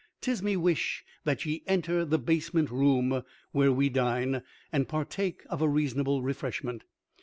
'Tis me wish that ye enter the basement room, where we dine, and partake of a reasonable refreshment.